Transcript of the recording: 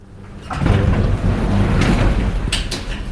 هو يدرس الإنجليزيّة.